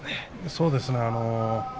そうですね。